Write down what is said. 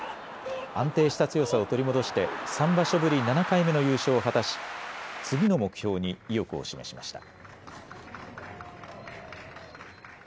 安定した強さを取り戻して３場所ぶり７回目の優勝を果たし、次の目標に意欲を示しました。